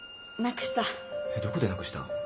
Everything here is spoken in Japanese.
どこでなくした？